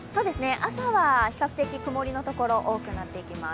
朝は比較的曇りのところ、多くなっていきます。